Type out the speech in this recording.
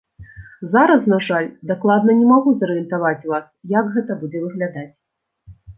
Зараз, на жаль, дакладна не магу зарыентаваць вас, як гэта будзе выглядаць.